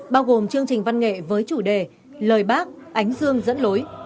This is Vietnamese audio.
bao gồm chương trình văn nghệ với chủ đề lời bác ánh dương dẫn lối